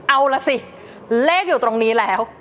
เอาล่ะสิเลขอยู่ตรงนี้แล้ว